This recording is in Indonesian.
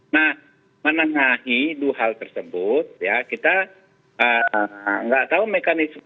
nah menengahi dua hal tersebut ya kita nggak tahu mekanisme